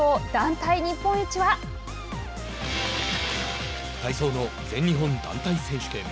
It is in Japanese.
体操の全日本団体選手権。